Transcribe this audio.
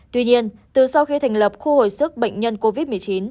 tuy nhiên từ sau khi thành lập khu hồi sức bệnh nhân covid một mươi chín